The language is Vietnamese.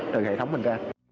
từ hệ thống mình ra